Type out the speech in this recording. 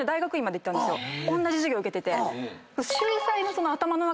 おんなじ授業受けてて。